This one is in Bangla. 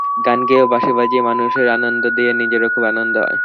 গান গেয়ে ও বাঁশি বাজিয়ে মানুষকে আনন্দ দিয়ে নিজেরও খুব আনন্দ হয়।